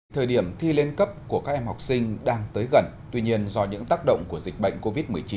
thời điểm thi lên cấp của các em học sinh đang tới gần tuy nhiên do những tác động của dịch bệnh covid một mươi chín